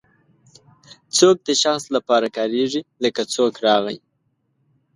څوک د شخص لپاره کاریږي لکه څوک راغی.